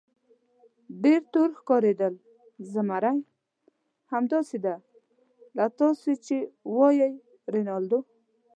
ډېر تور ښکارېدل، زمري: همداسې ده لکه تاسې چې وایئ رینالډو.